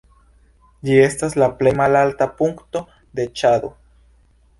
Ĝi estas la plej malalta punkto de Ĉado.